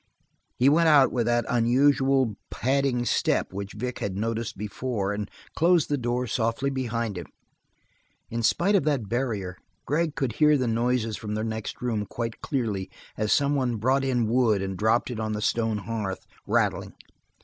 He went out with that unusual, padding step which Vic had noticed before and closed the door softly behind him. In spite of that barrier Gregg could hear the noises from the next room quite clearly, as some one brought in wood and dropped it on a stone hearth, rattling.